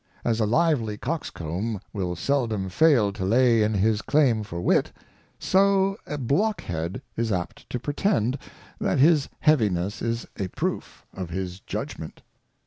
As a lively Coxcomb will seldom fail to lay in his claim for Wit ; so a Blockhead is apt to pretend. That his heaviness is a proof of his Judgment.